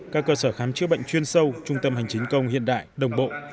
các cơ sở khám chữa bệnh chuyên sâu trung tâm hành chính công hiện đại đồng bộ